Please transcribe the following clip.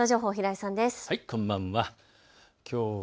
こんばんは。